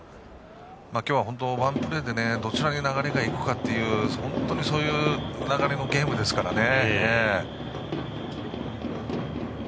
今日は本当にワンプレーでどちらに流れがいくかという本当にそういう流れのゲームですからね。